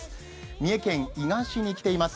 三重県伊賀市に来ています。